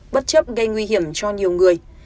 bất chấp gây nguy hiểm cho nhiều người